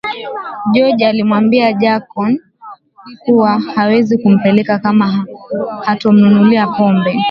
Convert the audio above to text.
George alimwambia Jacob kuwa hawezi kumpeleka kama hatomnunulia pombe